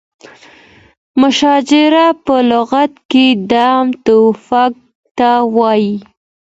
مشاجره په لغت کې عدم توافق ته وایي.